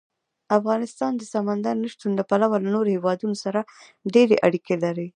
افغانستان د سمندر نه شتون له پلوه له نورو هېوادونو سره ډېرې اړیکې لري.